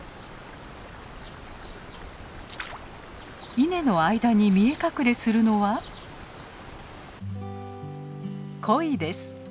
稲の間に見え隠れするのはコイです。